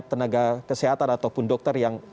tenaga kesehatan ataupun dokter yang